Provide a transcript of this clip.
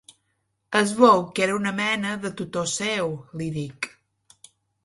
Es veu que era com una mena de tutor seu —li dic—.